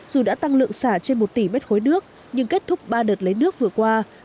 dù đã tăng lượng xả trên một tỷ mét khối nước nhưng kết thúc ba đợt lấy nước vừa qua